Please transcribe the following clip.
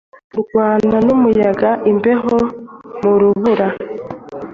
Kurwana numuyaga imbeho mu rubura